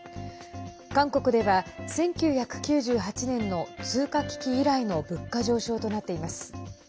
韓国では１９９８年の通貨危機以来の物価上昇となっています。